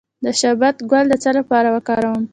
د شبت ګل د څه لپاره وکاروم؟